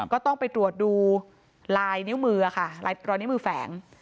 ก็ต้องไปตรวจดูลายนิ้วมือค่ะรอยนิ้วมือแฝง